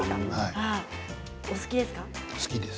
お好きですか？